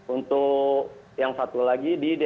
untuk yang satu lagi di tpu jogja